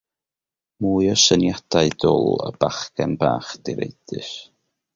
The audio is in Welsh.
Mwy o syniadau dwl y bachgen bach direidus.